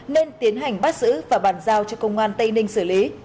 nên tiến hành bắt giữ và bàn giao cho công an tây ninh xử lý